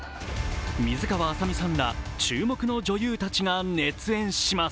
水川あさみさんら注目の女優たちが熱演します。